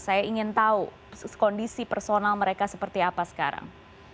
saya ingin tahu kondisi personal mereka seperti apa sekarang